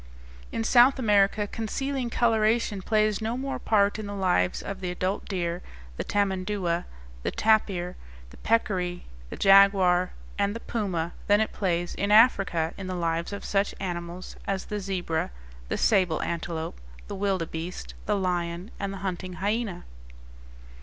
In South America concealing coloration plays no more part in the lives of the adult deer, the tamandua, the tapir, the peccary, the jaguar, and the puma than it plays in Africa in the lives of such animals as the zebra, the sable antelope, the wildebeeste, the lion, and the hunting hyena.